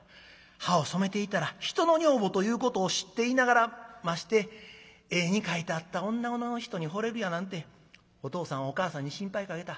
歯を染めていたら人の女房ということを知っていながらまして絵に描いてあったおなごの人に惚れるやなんてお父さんお母さんに心配かけた。